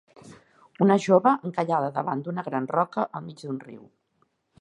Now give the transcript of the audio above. Una jove encallada davant d'una gran roca al mig d'un riu.